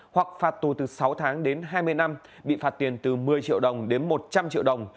hoặc phạt tù từ sáu tháng đến hai mươi năm bị phạt tiền từ một mươi triệu đồng đến một trăm linh triệu đồng